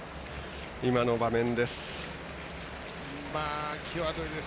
今の場面です。